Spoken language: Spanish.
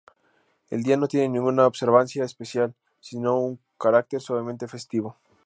El día no tiene ninguna observancia especial, sino un carácter suavemente festivo.